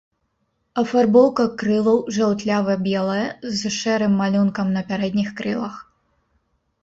Афарбоўка крылаў жаўтлява-белая, з шэрым малюнкам на пярэдніх крылах.